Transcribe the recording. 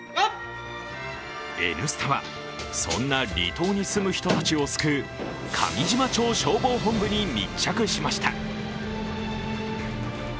「Ｎスタ」はそんな離島に住む人たちを救う上島町消防本部に密着しました。